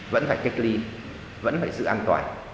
vẫn phải cách ly vẫn phải giữ an toàn